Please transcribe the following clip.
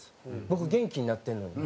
僕元気になってるのに。